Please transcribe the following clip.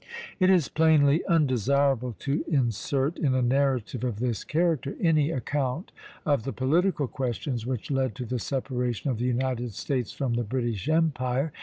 It is plainly undesirable to insert in a narrative of this character any account of the political questions which led to the separation of the United States from the British Empire.